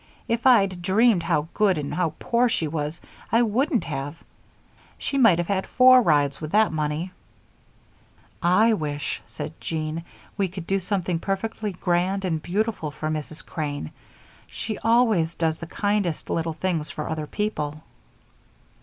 If I'd dreamed how good and how poor she was, I wouldn't have. She might have had four rides with that money." "I wish," said Jean, "we could do something perfectly grand and beautiful for Mrs. Crane. She's always doing the kindest little things for other people."